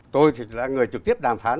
tôi thì là người trực tiếp đàm phán